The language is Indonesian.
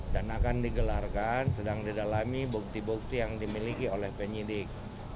dan akan digelarkan sedang didalami bukti bukti yang dimiliki oleh penyidik